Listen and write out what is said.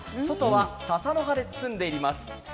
外はささの葉で包んでいます。